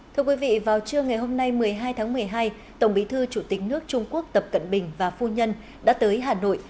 thưa quý vị vào trưa ngày hôm nay một mươi hai tháng một mươi hai tổng bí thư chủ tịch nước trung quốc tập cận bình và phu nhân đã tới hà nội